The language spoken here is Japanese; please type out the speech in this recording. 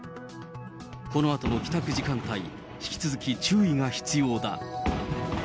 このあとの帰宅時間帯、引き続き注意が必要だ。